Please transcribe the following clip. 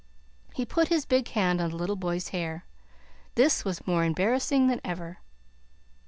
He put his big hand on the little boy's hair. This was more embarrassing than ever.